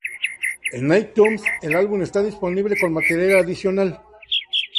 En iTunes el álbum está disponible con material adicional.